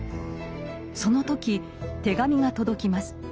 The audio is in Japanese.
その時手紙が届きます。